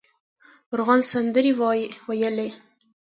مرغان سندرې ویل.